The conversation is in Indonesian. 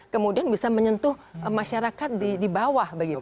kemudian bisa menyentuh masyarakat di bawah